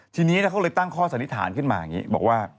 ทีนี้เขาเลยตั้งข้อสันนิษฐานขึ้นมาบอกว่า